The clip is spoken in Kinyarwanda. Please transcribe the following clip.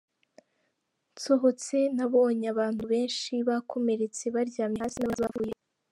nsohotse nabonye abantu benshi bakomeretse baryamye hasi, n'abandi bapfuye.